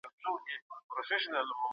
ایا واړه پلورونکي چارمغز ساتي؟